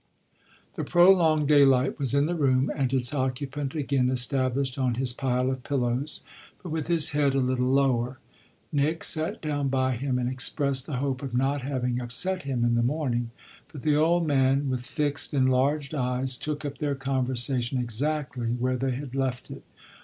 The prolonged daylight was in the room and its occupant again established on his pile of pillows, but with his head a little lower. Nick sat down by him and expressed the hope of not having upset him in the morning; but the old man, with fixed, enlarged eyes, took up their conversation exactly where they had left it.